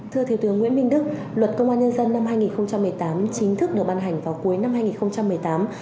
thưa thiếu tướng nguyễn minh đức luật công an nhân dân năm hai nghìn một mươi tám chính thức được ban hành vào cuối năm hai nghìn một mươi tám